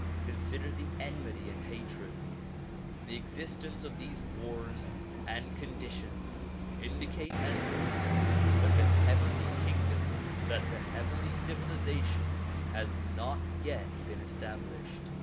Consider the enmity and hatred. The existence of these wars and conditions indicate and prove that the heavenly civilization has not yet been established.